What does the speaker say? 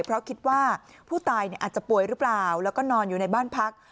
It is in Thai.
เพราะคิดว่าผู้ตายอาจจะป่วยหรือเปล่าแล้วก็นอนอยู่ในบ้านพัก